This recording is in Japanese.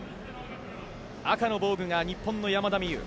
赤の防具が日本の山田美諭。